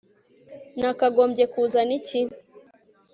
nakagombye kuzana iki